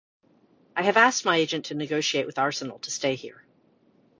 I have asked my agent to negotiate with Arsenal to stay here.